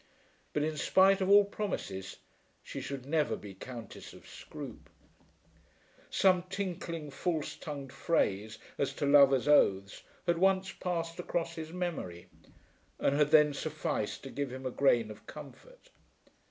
But in spite of all promises she should never be Countess of Scroope! Some tinkling false tongued phrase as to lover's oaths had once passed across his memory and had then sufficed to give him a grain of comfort.